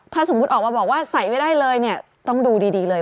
ถ้าสมมุติออกมาบอกว่าใส่ไม่ได้เลยเนี่ยต้องดูดีเลย